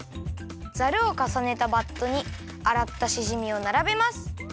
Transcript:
ザルをかさねたバットにあらったしじみをならべます。